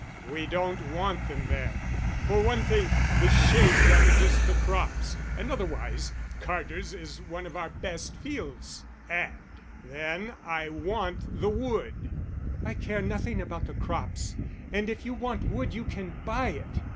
We don't want them there for one thing the shade damages the crops, and otherwise Carter's is one of our best fields. And then I want the wood." "I care nothing about the crops, and if you want wood you can buy it.